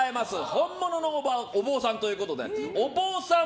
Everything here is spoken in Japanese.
本物のお坊さんということでお坊さん